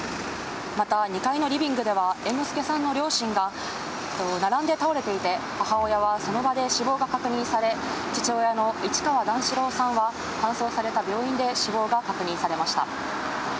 また２階のリビングでは、猿之助さんの両親が並んで倒れていて、母親はその場で死亡が確認され、父親の市川段四郎さんは、搬送された病院で死亡が確認されました。